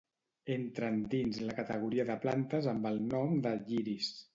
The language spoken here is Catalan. Entren dins la categoria de plantes amb el nom de "lliris".